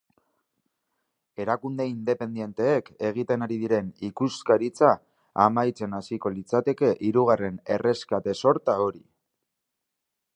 Erakunde independenteek egiten ari diren ikuskaritza amaitzen hasiko litzateke hirugarren erreskate sorta hori.